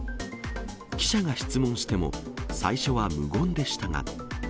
記者が質問しても、最初は無言でしたが。